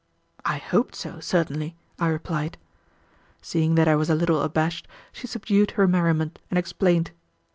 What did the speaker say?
"I hoped so, certainly," I replied. Seeing that I was a little abashed, she subdued her merriment and explained.